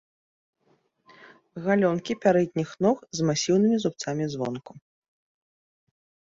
Галёнкі пярэдніх ног з масіўнымі зубцамі звонку.